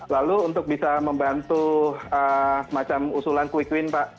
lalu untuk bisa membantu semacam usulan quick win pak